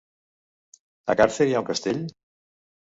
A Càrcer hi ha un castell?